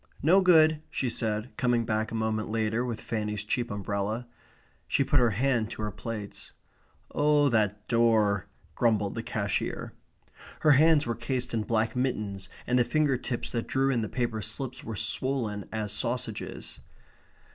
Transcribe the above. "No good," she said, coming back a moment later with Fanny's cheap umbrella. She put her hand to her plaits. "Oh, that door!" grumbled the cashier. Her hands were cased in black mittens, and the finger tips that drew in the paper slips were swollen as sausages.